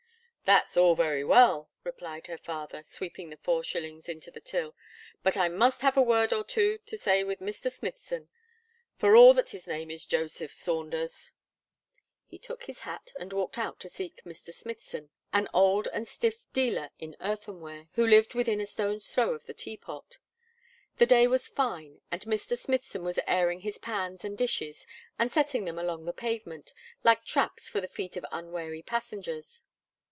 "That's all very well," replied her father, sweeping the four shillings into the till, "but I must have a word or two to say with Mr. Smithson for all that his name is Joseph Saunders." He took his hat, and walked out to seek Mr. Smithson, an old and stiff dealer in earthenware, who lived within a stone's throw of the Teapot. The day was fine, and Mr. Smithson was airing his pans and dishes, and setting them along the pavement, like traps for the feet of unwary passengers.